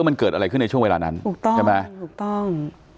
เอ้อมันเกิดอะไรขึ้นในช่วงเวลานั้นถูกต้อง